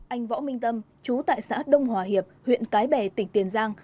anh võ minh tâm chú tại xã đông hòa hiệp huyện cái bè tỉnh tiền giang